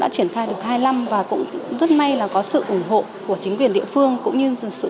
đã triển khai được hai năm và cũng rất may là có sự ủng hộ của chính quyền địa phương cũng như sự